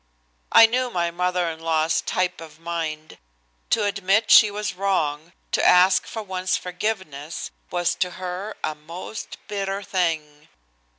I knew my mother in law's type of mind. To admit she was wrong, to ask for one's forgiveness, was to her a most bitter thing.